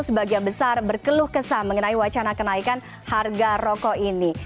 sebagian besar berkeluh kesah mengenai wacana kenaikan harga rokok ini